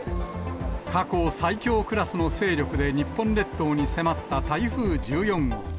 過去最強クラスの勢力で日本列島に迫った台風１４号。